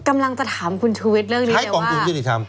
กำลังจะถามคุณชูวิทย์เรื่องนี้ให้กองทุนยุติธรรม